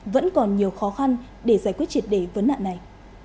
vẫn còn nhiều khó khăn để giải quyết triệt đề vấn nạn này